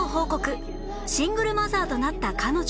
シングルマザーとなった彼女